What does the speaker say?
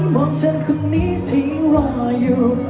บอกฉันคนนี้ทิ้งรออยู่